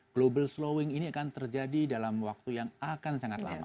global slowing ini akan terjadi dalam waktu yang akan sangat lama